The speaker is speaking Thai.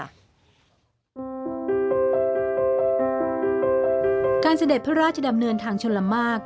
เสด็จพระราชดำเนินทางชนละมาก